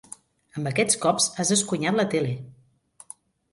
Amb aquests cops has esconyat la tele.